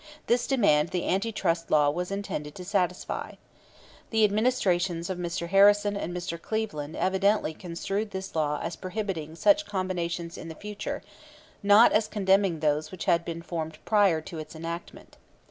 This demand the Anti Trust Law was intended to satisfy. The Administrations of Mr. Harrison and Mr. Cleveland evidently construed this law as prohibiting such combinations in the future, not as condemning those which had been formed prior to its enactment.